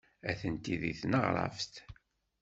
Atenti deg tneɣraft.